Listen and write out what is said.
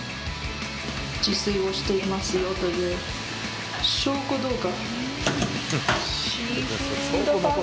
自炊をしていますよという証拠動画。